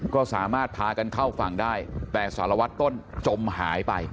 ก็สามารถพากันเข้าฝั่งได้แต่สารวัตรต้นจมหายไป